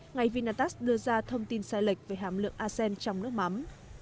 ngày vinatax đưa ra thông tin sai lệch về hàm lượng acen trong nước mắm